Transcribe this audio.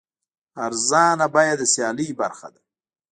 ارزانه بیه د سیالۍ برخه ده.